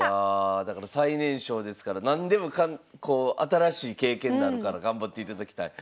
いやだから最年少ですから何でもこう新しい経験になるから頑張っていただきたい。